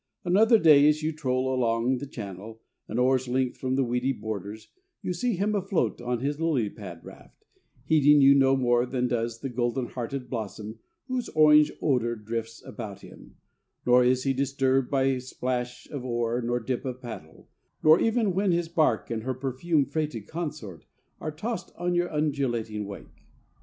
Another day as you troll along the channel an oar's length from the weedy borders, you see him afloat on his lily pad raft, heeding you no more than does the golden hearted blossom whose orange odor drifts about him, nor is he disturbed by splash of oar nor dip of paddle, nor even when his bark and her perfume freighted consort are tossed on your undulating wake.